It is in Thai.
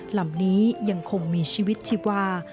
ลำนี้ยังคงมีชีวิตชีวา